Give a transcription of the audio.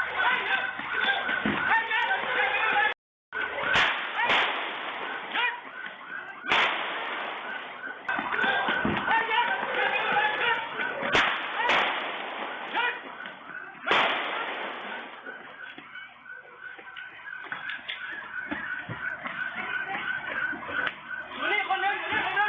วิ่งที่สุดท้ายสะเชียง